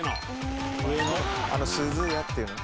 「あの“すゞや”っていうのね」